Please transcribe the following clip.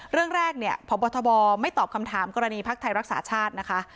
เรื่องแรกเนี่ยพบทบไม่ตอบคำถามกรณีภักดิ์ไทยรักษาชาตินะคะ